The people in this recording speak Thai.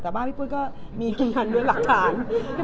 แต่บ้านพี่ปุ้ยก็มีพยานด้วยหลักฐาน